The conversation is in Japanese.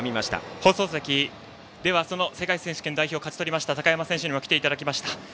放送席、世界選手権代表を勝ち取りました高山選手にも来ていただきました。